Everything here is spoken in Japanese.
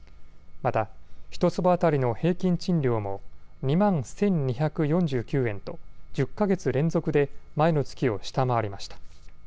また１坪当たりの平均賃料も２万１２４９円と１０か月連続で前の月を下回りました。